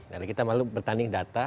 karena kita malu bertanding data